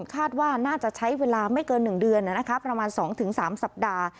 คาดว่าน่าจะใช้เวลาไม่เกิน๑เดือนประมาณ๒๓สัปดาห์